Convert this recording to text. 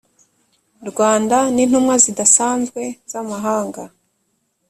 rwanda n intumwa zidasanzwe z amahanga